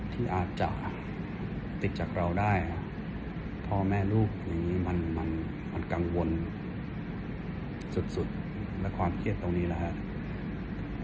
ที่อาจจะติดจากเราได้พ่อแม่ลูกอย่างนี้มันมันกังวลสุดและความเครียดตรงนี้นะครับ